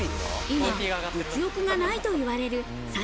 今、物欲がないといわれる指